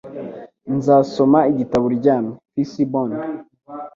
Nzasoma igitabo uryamye. (fcbond)